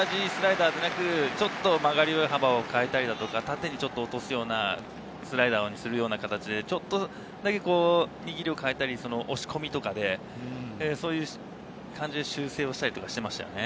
スライダーにしても、ちょっと曲がり幅を変えたりとか、縦に落とすようなスライダーにするとか、ちょっとだけ握りを変えたり、押し込みとかで、修正したりしていましたね。